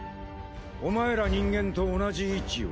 お前ら人間と同じ位置よ。